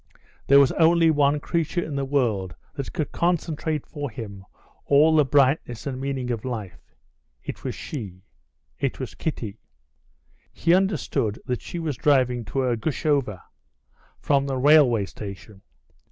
There was only one creature in the world that could concentrate for him all the brightness and meaning of life. It was she. It was Kitty. He understood that she was driving to Ergushovo from the railway station.